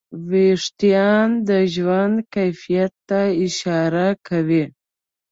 وېښتيان د ژوند کیفیت ته اشاره کوي.